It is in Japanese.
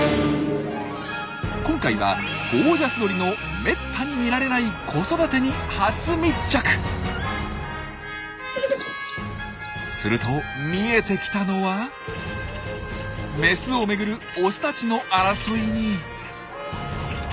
今回はゴージャス鳥のめったに見られないすると見えてきたのはメスをめぐるオスたちの争いに。